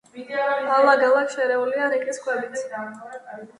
ალაგ-ალაგ შერეულია რიყის ქვებიც.